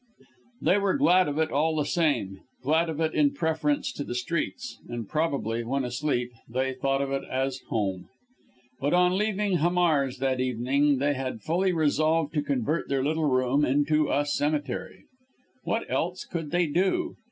They were glad of it all the same glad of it in preference to the streets; and probably, when asleep, they thought of it as home. But on leaving Hamar's, that evening, they had fully resolved to convert their little room into a cemetery. What else could they do?